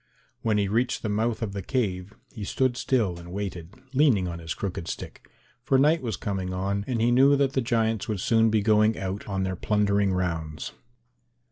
When he reached the mouth of the cave, he stood still and waited, leaning on his crooked stick, for night was coming on and he knew that the giants would soon be going out on their plundering rounds.